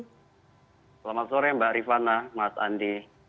selamat sore mbak rifana mas andi